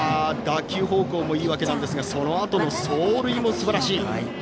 打球方向もいいわけですがそのあとの走塁もすばらしい。